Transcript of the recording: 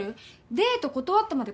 デート断ってまで